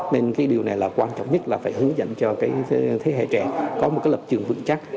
nên cái điều này là quan trọng nhất là phải hướng dẫn cho cái thế hệ trẻ có một cái lập trường vững chắc